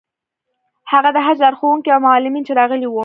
هغه د حج لارښوونکي او معلمین چې راغلي وو.